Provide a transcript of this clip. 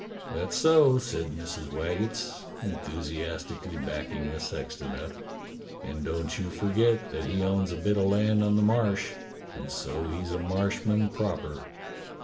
"That's so," said Mrs. Waggetts, enthusiastically backing the sexton up. "And don't you forget that he owns a bit of land on the Marsh, and so he's a Marsh man proper."